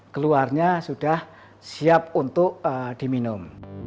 keluarnya sudah siap untuk diminum